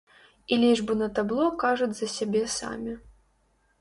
І лічбы на табло кажуць за сябе самі.